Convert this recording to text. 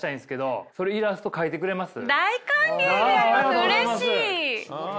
うれしい！